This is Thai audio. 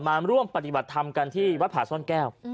มาร่วมปฏิบัติธรรมกันที่วัดผาซ่อนแก้ว